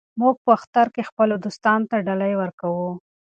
موږ په اختر کې خپلو دوستانو ته ډالۍ ورکوو.